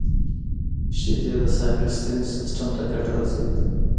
• شیدې د ساه اخیستنې سیستم ته ګټه رسوي.